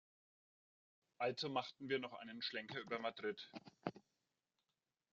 Also machten wir noch einen Schlenker über Madrid.